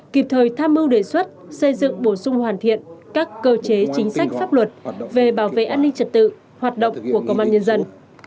kịp thời tham mưu đề xuất xây dựng bổ sung hoàn thiện các cơ chế chính sách pháp luật về bảo vệ an ninh trật tự hoạt động của công an nhân dân